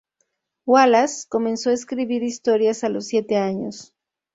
Wallace comenzó a escribir historias a los siete años.